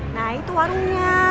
nah itu warungnya